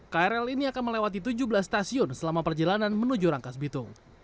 krl ini akan melewati tujuh belas stasiun selama perjalanan menuju rangkas bitung